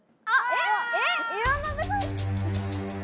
えっ。